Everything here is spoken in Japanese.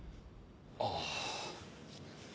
ああ。